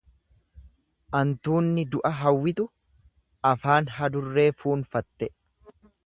Hantuunni du'a hawwitu afaan adurree fuunfatte.